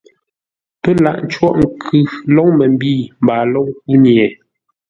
PƏ́ laghʼ ńcôghʼ nkʉ lóŋ məmbî mbaa lóŋ kúnye.